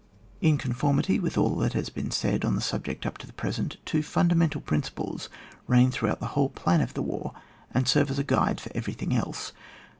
In conformity with all that has been said on the subject up to the present, two fundamental principles reign throughout the whole plan of the war, and serve as a guide for everything else.